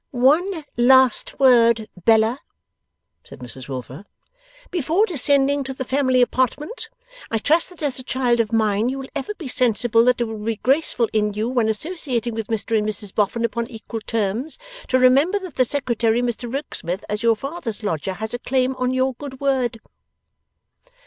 'One last word, Bella,' said Mrs Wilfer, 'before descending to the family apartment. I trust that as a child of mine you will ever be sensible that it will be graceful in you, when associating with Mr and Mrs Boffin upon equal terms, to remember that the Secretary, Mr Rokesmith, as your father's lodger, has a claim on your good word.